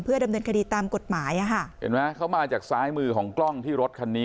ดำเนินคดีตามกฎหมายอ่ะค่ะเห็นไหมเขามาจากซ้ายมือของกล้องที่รถคันนี้